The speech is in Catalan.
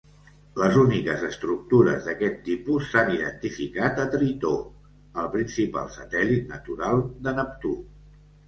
Les úniques estructures d'aquest tipus s'han identificat a Tritó, el principal satèl·lit natural de Neptú.